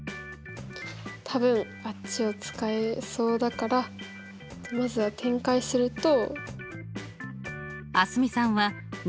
多分あっちを使えそうだからまずは展開すると。